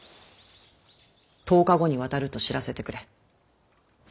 １０日後に渡ると知らせてくれ。